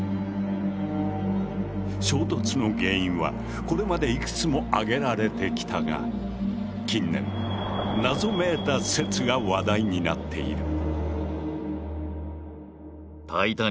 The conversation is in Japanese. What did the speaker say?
衝突の原因はこれまでいくつもあげられてきたが近年謎めいた説が話題になっている。